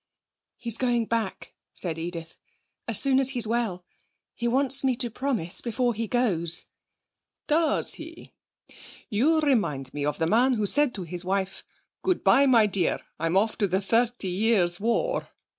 'He's going back,' said Edith, 'as soon as he's well. He wants me to promise before he goes.' 'Does he! You remind me of the man who said to his wife: "Good bye, my dear, I'm off to the Thirty Years' War."